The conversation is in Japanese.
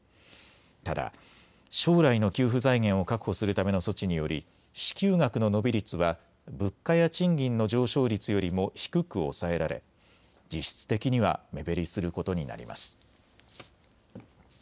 ただ将来の給付財源を確保するための措置により支給額の伸び率は物価や賃金の上昇率よりも低く抑えられ実質的には目減りすることになります。